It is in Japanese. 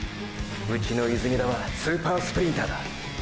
うちの泉田はスーパースプリンターだ。